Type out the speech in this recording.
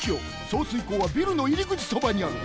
送水口はビルのいりぐちそばにある。